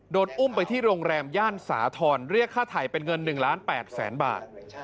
โดนอุ้มไปที่โรงแรมย่านสาธรณ์เรียกค่าไถ่เป็นเงิน๑ล้าน๘แสนบาท